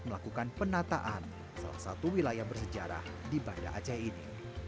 melakukan penataan salah satu wilayah bersejarah di banda aceh ini